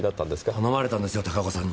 頼まれたんですよ高岡さんに。